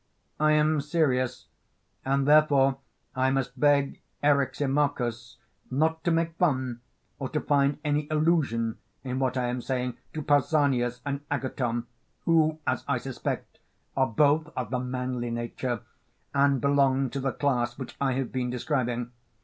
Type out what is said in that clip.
I am serious, and therefore I must beg Eryximachus not to make fun or to find any allusion in what I am saying to Pausanias and Agathon, who, as I suspect, are both of the manly nature, and belong to the class which I have been describing.